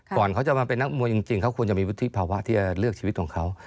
ก่อนเขาจะมาเป็นนักมวยจริงเขาควรจะมีวุฒิภาวะที่จะเลือกชีวิตของเขา